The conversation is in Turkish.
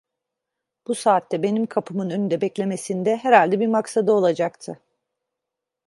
Bu saatte benim kapımın önünde beklemesinde herhalde bir maksadı olacaktı.